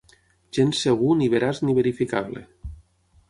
Gens segur ni veraç ni verificable.